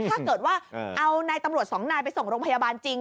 ถ้าเกิดว่าเอานายตำรวจสองนายไปส่งโรงพยาบาลจริง